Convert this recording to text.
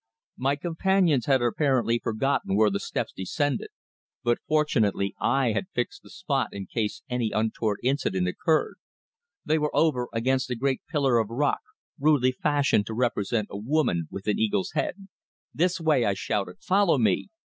My companions had apparently forgotten where the steps descended, but fortunately I had fixed the spot in case any untoward incident occurred. They were over against a great pillar of rock, rudely fashioned to represent a woman with an eagle's head. "This way," I shouted. "Follow me!"